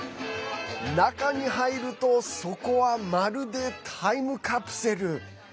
中に入るとそこは、まるでタイムカプセル。